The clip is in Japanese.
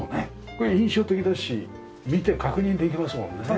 これ印象的だし見て確認できますもんね。